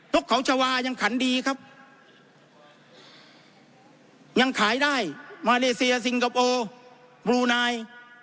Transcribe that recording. กเขาชาวายังขันดีครับยังขายได้มาเลเซียซิงคโปร์บลูนาย